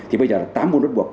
thì bây giờ là tám môn bắt buộc